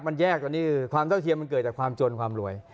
มันแยกตอนนี้ความเท่าเทียมมันเกิดจากความจนความรวย